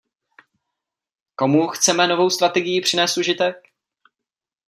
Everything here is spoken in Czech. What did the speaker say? Komu chceme novou strategií přinést užitek?